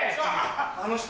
あの人。